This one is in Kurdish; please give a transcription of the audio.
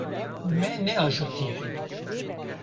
Me neajotiye.